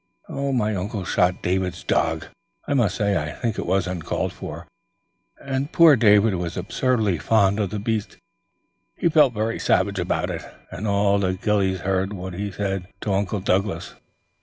My uncle shot David's dog; I must say I think it was uncalled for, and poor David was absurdly fond of the beast. He felt very savage about it, and all the ghillies heard what he said to Uncle Douglas."